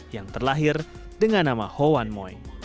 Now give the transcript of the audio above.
yang terlahir dengan nama hoan moeng